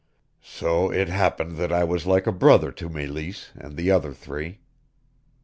So it happened that I was like a brother to Meleese and the other three.